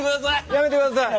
やめてください。